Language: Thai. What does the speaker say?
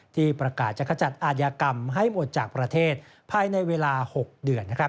ที่ประกาศจะขจัดอาชญากรรมให้หมดจากประเทศภายในเวลา๖เดือน